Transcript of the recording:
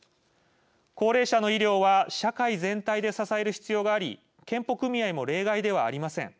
高齢者の医療は社会全体で支える必要があり健保組合も例外ではありません。